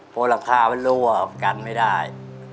เพราะหลังคามันรั่วกันไม่ได้